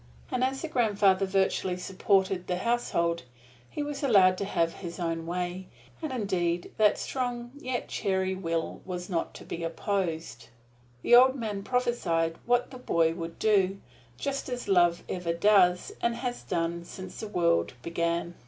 And as the grandfather virtually supported the household, he was allowed to have his own way, and indeed that strong, yet cheery will was not to be opposed. The old man prophesied what the boy would do, just as love ever does, and has done, since the world began.